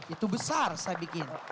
itu besar saya bikin